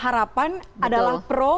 harapan adalah pro